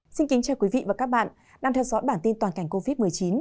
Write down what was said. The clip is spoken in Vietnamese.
xin kính chào quý vị và các bạn đang theo dõi bản tin toàn cảnh covid một mươi chín